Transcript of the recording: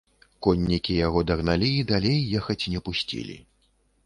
Коннікі яго дагналі і далей ехаць не пусцілі.